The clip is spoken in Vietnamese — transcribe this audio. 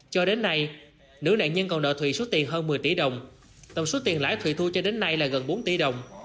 cho đến nay nữ nạn nhân còn nợ thùy số tiền hơn một mươi tỷ đồng tổng số tiền lãi thùy thu cho đến nay là gần bốn tỷ đồng